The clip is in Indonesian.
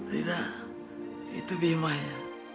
lida itu bima ya